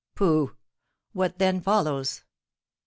Pooh! What, then, follows?